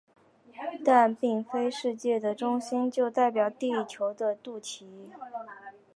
但并非世界的中心就代表地球的肚脐。